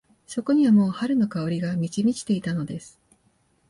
そこにはもう春の香りが満ち満ちていたのです。